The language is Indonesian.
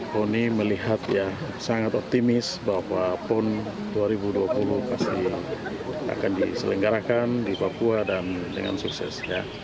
kony melihat ya sangat optimis bahwa pon dua ribu dua puluh pasti akan diselenggarakan di papua dan dengan sukses